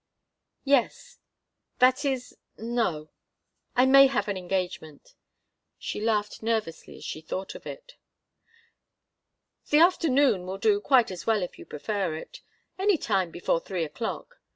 "Yes. That is no I may have an engagement." She laughed nervously as she thought of it. "The afternoon will do quite as well, if you prefer it. Any time before three o'clock.